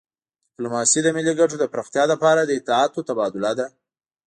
ډیپلوماسي د ملي ګټو د پراختیا لپاره د اطلاعاتو تبادله ده